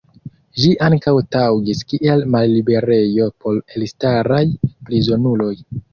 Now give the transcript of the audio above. Ĝi ankaŭ taŭgis kiel malliberejo por elstaraj prizonuloj.